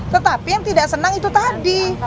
tetapi yang tidak senang itu tadi